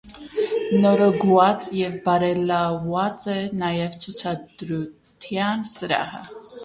Նորոգուած եւ բարելաւուած է նաեւ ցուցադրութեան սրահը։